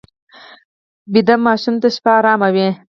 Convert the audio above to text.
ویده ماشوم ته شپه ارامه وي